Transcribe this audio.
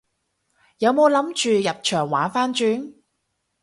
有冇諗住入場玩番轉？